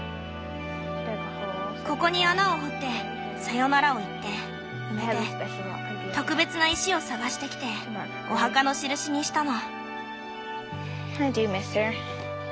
ここに穴を掘ってさよならを言って埋めて特別な石を探してきてお墓の印にしたの。